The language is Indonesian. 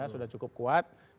sudah cukup kuat